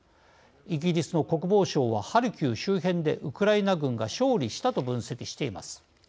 イギリスの国防省はハルキウ周辺でウクライナ軍が勝利したと分析しています。